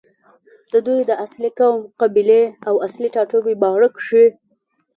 ددوي د اصل نوم، قبيلې او اصلي ټاټوبې باره کښې